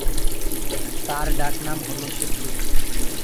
তার ডাক নাম হলো সেতু।